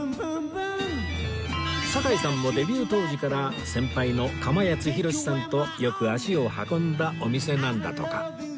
堺さんもデビュー当時から先輩のかまやつひろしさんとよく足を運んだお店なんだとか